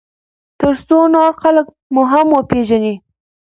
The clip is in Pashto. ترڅو نور خلک مو هم وپیژني.